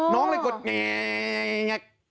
น้องเลยกดนี่อย่างนี้